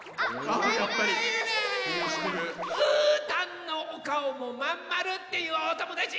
うーたんのおかおもまんまるっていうおともだち？